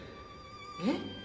えっ？